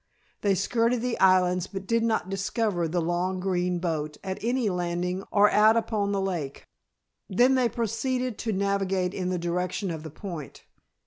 They skirted the islands but did not discover the long green boat at any landing or out upon the lake. Then they proceeded to navigate in the direction of the Point.